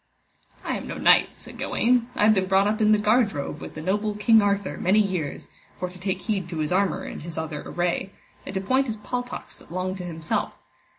I am no knight, said Gawaine, I have been brought up in the guardrobe with the noble King Arthur many years, for to take heed to his armour and his other array, and to point his paltocks that long to himself.